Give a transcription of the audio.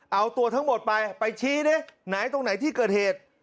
เอาตัวทั้งหมดไปไปชี้ดิไหนตรงไหนที่เกิดเหตุ